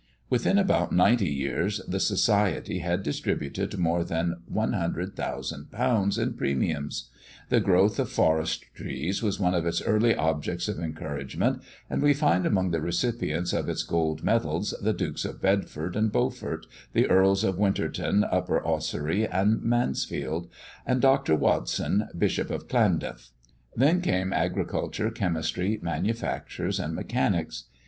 Within about ninety years, the Society had distributed more than 100,000_l._ in premiums. The growth of forest trees was one of its early objects of encouragement; and we find among the recipients of its gold medals the Dukes of Bedford and Beaufort, the Earls of Winterton, Upper Ossory, and Mansfield; and Dr. Watson, Bishop of Llandaff. Then came agriculture, chemistry, manufactures, and mechanics.